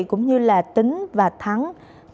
cũng như là tính và thắng